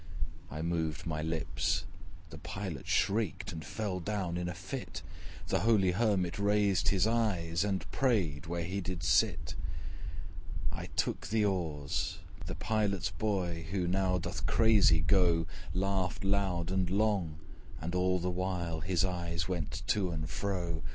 I moved my lips the Pilot shrieked And fell down in a fit; The holy Hermit raised his eyes, And prayed where he did sit. I took the oars: the Pilot's boy, Who now doth crazy go, Laughed loud and long, and all the while His eyes went to and fro.